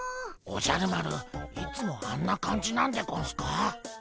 おじゃる丸いつもあんな感じなんでゴンスか？